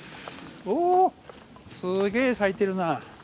おすげえ咲いてるな。